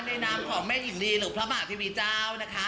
นามของแม่อิ่มดีหรือพระมหาเทวีเจ้านะคะ